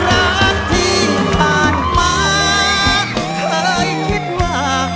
รักที่ผ่านมาเคยคิดว่า